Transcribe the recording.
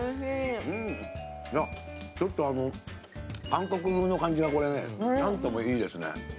ちょっと、韓国風の感じがなんともいいですね。